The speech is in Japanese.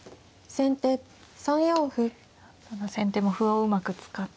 先手も歩をうまく使って。